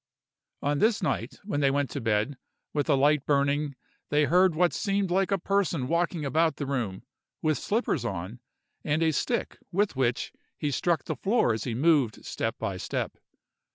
On this night, when they went to bed, with a light burning, they heard what seemed like a person walking about the room with slippers on, and a stick, with which he struck the floor as he moved step by step.